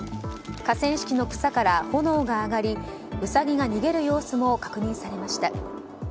河川敷の草から炎が上がりウサギが逃げる様子も確認されました。